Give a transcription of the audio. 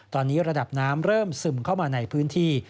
ตอนนี้ระดับน้ำเริ่มซึมเข้ามาในพื้นที่